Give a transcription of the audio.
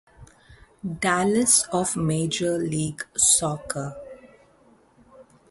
Dallas of Major League Soccer.